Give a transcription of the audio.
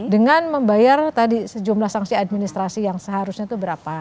dengan membayar tadi sejumlah sanksi administrasi yang seharusnya itu berapa